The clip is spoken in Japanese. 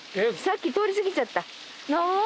さっき通り過ぎちゃった。